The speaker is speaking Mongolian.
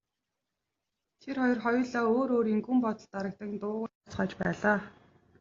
Тэр хоёр хоёулаа өөр өөрийн гүн бодолд дарагдан дуугүй явцгааж байлаа.